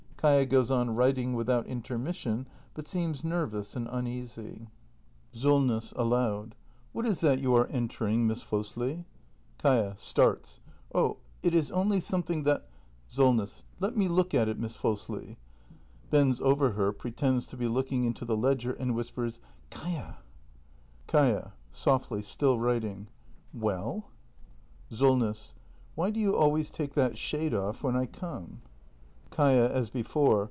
Kaia goes on writing without inter mission, but seems nervous and uneasy. 248 THE MASTER BUILDER [act i SOLNESS. [Aloud.] What is that you are entering, Miss Fosli ? Kaia. [Starts.] Oh, it is only something that Solness. Let me look at it, Miss Fosli. [Bends over her, pre tends to be looking into the ledger, and whispers:] Kaia! Kaia. [Softly, still writing.] Well ? Solness. Why do you always take that shade off when I come ? Kaia. [/Is before.